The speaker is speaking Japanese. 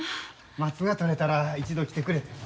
松が取れたら一度来てくれって。